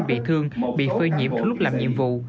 bị thương bị phơi nhiễm lúc làm nhiệm vụ